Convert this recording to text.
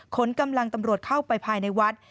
ขนกำลังตำรวจเข้าไปภายในวัด